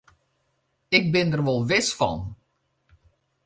Ik bin der wol wis fan.